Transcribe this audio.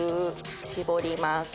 絞ります。